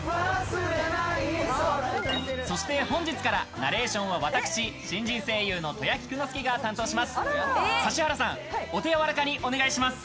そして本日からナレーションは私、新人声優の戸谷菊之介が担当します。